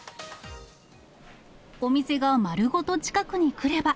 お店が丸ごと近くに来れば。